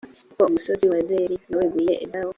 kuko umusozi wa seyiri naweguriye ezawu.